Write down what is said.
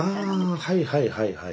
あはいはいはいはい。